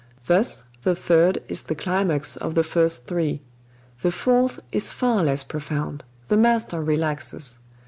Thus the Third is the climax of the first three. The Fourth is far less profound; the master relaxes.